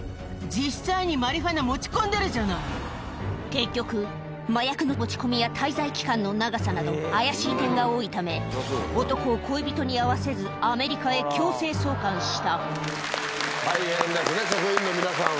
結局麻薬の持ち込みや滞在期間の長さなど怪しい点が多いため男を恋人に会わせず大変ですね職員の皆さんは。